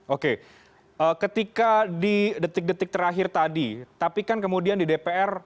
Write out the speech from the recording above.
oke ketika di detik detik terakhir tadi tapi kan kemudian di dpr